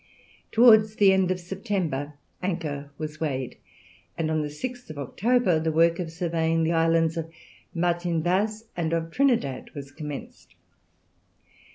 Towards the end of September anchor was weighed, and on the 6th of October the work of surveying the islands of Martin Vaz and of Trinidad was commenced.